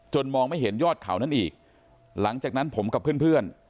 มองไม่เห็นยอดเขานั้นอีกหลังจากนั้นผมกับเพื่อน